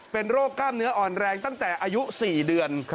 เป็นโรคกล้ามเนื้ออ่อนแรงตั้งแต่อายุ๔เดือน